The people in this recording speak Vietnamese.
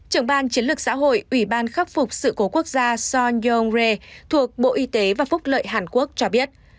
trưởng ban chiến lược xã hội ủy ban khắc phục sự cố quốc gia son yong re thuộc bộ y tế và phúc lợi hàn quốc cho biết